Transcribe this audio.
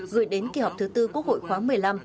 gửi đến kỳ họp thứ tư quốc hội khoáng một mươi năm